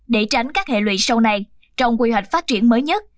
để tránh các hệ lụy sâu này trong quy hoạch phát triển mới nhất